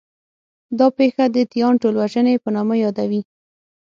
دا پېښه د 'تیان ټولوژنې' په نامه یادوي.